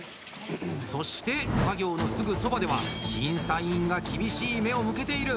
そして、作業のすぐそばでは審査委員が厳しい目を向けている。